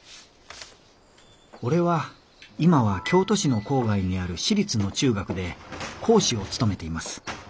俺は今は京都市の郊外にある市立の中学で講師を務めています。